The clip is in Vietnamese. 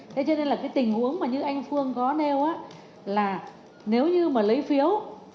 thế cho nên là cái tình huống mà như anh phương có nêu là nếu như mà lấy phiếu